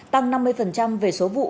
tăng năm mươi về số vụ